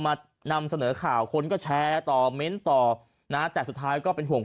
นำเสนอข่าวคนก็แชร์ต่อเม้นต์ต่อนะแต่สุดท้ายก็เป็นห่วง